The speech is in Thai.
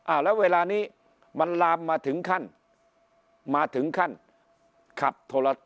แล้วเวลานี้มันลามมาถึงขั้นมาถึงขั้นขับโทร